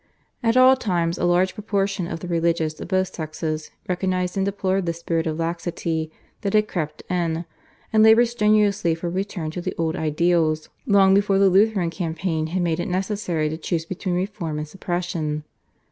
At all times a large proportion of the religious of both sexes recognised and deplored the spirit of laxity that had crept in, and laboured strenuously for a return to the old ideals long before the Lutheran campaign had made it necessary to choose between reform and suppression.